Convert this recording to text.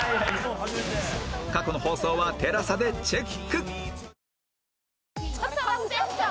過去の放送は ＴＥＬＡＳＡ でチェック！